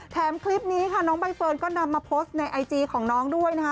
คลิปนี้ค่ะน้องใบเฟิร์นก็นำมาโพสต์ในไอจีของน้องด้วยนะคะ